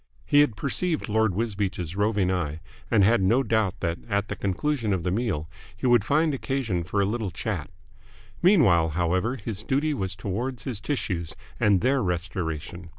He had perceived Lord Wisbeach's roving eye, and had no doubt that at the conclusion of the meal he would find occasion for a little chat. Meanwhile, however, his duty was towards his tissues and their restoration.